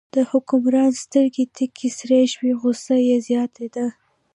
د حکمران سترګې تکې سرې شوې، غوسه یې زیاتېده.